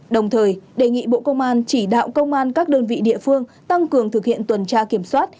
đồng thời đề nghị bộ công an chỉ đạo công an các đơn vị địa phương tăng cường thực hiện tuần tra kiểm soát